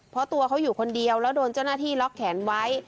เพราะตัวเขาอยู่คนเดียวแล้วโดนเจ้าหน้าที่ล็อกแขนไว้